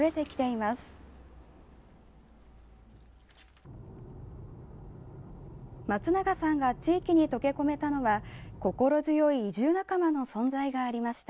まつながさんが地域に溶け込めたのは心強い移住仲間の存在がありました。